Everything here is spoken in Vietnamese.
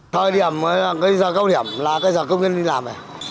cái giờ cao điểm là cái giờ công nhân đi làm này